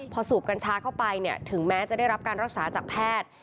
พอสูบกัญชาเข้าไปถึงแม้จะได้รับการรักษาจากแพทย์